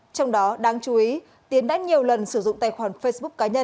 trong đó đáng chú ý tiến đã nhiều lần sử dụng tài khoản facebook